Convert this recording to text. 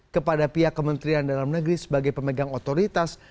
kepada pihak kementerian dalam negeri sebagai pemegang otoritas